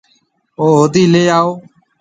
او هودَي ليَ آئو۔